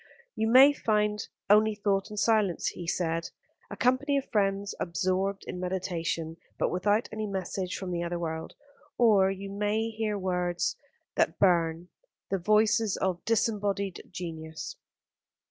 "You may find only thought and silence," he said, "a company of friends absorbed in meditation, but without any message from the other world; or you may hear words that burn, the voices of disembodied genius.